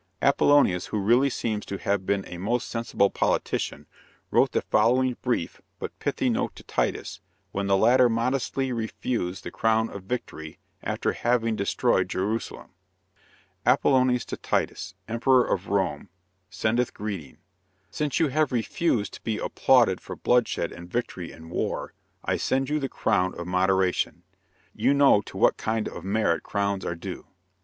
Apollonius, who really seems to have been a most sensible politician, wrote the following brief but pithy note to Titus, when the latter modestly refused the crown of victory, after having destroyed Jerusalem. "Apollonius to Titus, Emperor of Rome, sendeth greeting. Since you have refused to be applauded for bloodshed and victory in war, I send you the crown of moderation. You know to what kind of merit crowns are due."